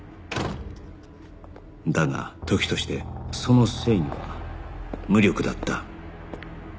だが時としてその正義は無力だった